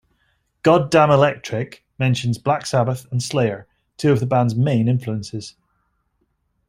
"Goddamn Electric" mentions Black Sabbath, and Slayer, two of the band's main influences.